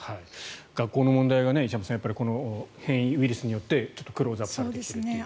学校の問題が石山さん、変異ウイルスによってクローズアップされてきている。